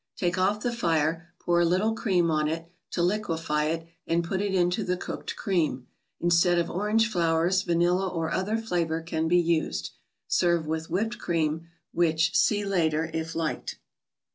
Take off the fire, pour a little cream on it, to liquify it, and put it into the cooked cream. Instead of orange flowers, vanilla or other flavor can be used. Serve with Whipped Cream (which see later) if liked.